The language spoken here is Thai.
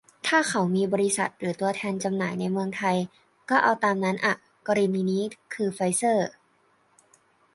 ถ้าเขามีบริษัทหรือตัวแทนจำหน่ายในเมืองไทย ก็เอาตามนั้นอ่ะ กรณีนี้คือ "ไฟเซอร์"